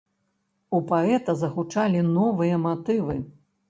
У паэта загучалі новыя матывы.